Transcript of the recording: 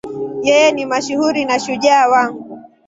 Yeye ni mshauri na shujaa wangu.